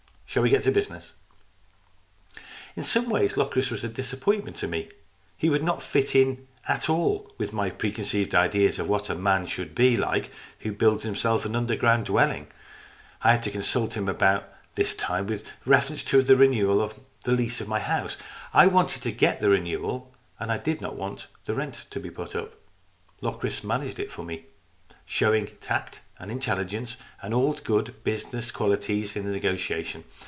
Shall we get to business ?" In some ways Locris was a disappointment to me. He would not fit in at all with my precon ceived idea of what a man should be like who builds himself an underground dwelling. I had 202 STORIES IN GREY to consult him about this time with reference to the renewal of the lease of my house. I wanted to get the renewal, and I did not want the rent to be put up. Locris managed it for me, showing tact and intelligence and all good business qualities in the negotiation.